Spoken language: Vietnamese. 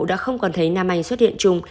đã không còn thấy nam anh xuất hiện chung